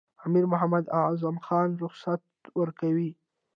امیر محمد اعظم خان رخصت ورکوي.